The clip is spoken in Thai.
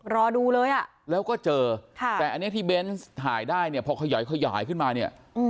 รอดูเลยอ่ะแล้วก็เจอแต่อันนี้ที่เบนส์ถ่ายได้เนี่ยพอขยายขึ้นมาเนี่ย